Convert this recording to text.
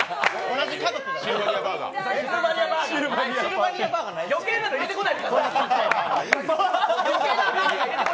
同じ家族じゃない。